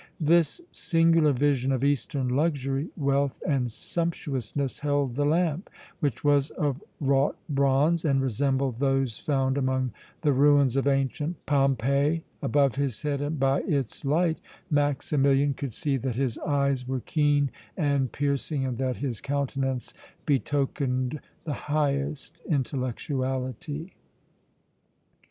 This singular vision of eastern luxury, wealth and sumptuousness held the lamp, which was of wrought bronze and resembled those found among the ruins of ancient Pompeii, above his head and by its light Maximilian could see that his eyes were keen and piercing and that his countenance betokened the highest intellectuality.